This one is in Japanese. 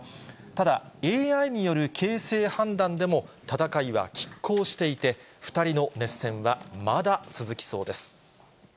ただ、ＡＩによる形勢判断でも戦いはきっ抗していて、２人の熱戦はまだ続きそうです。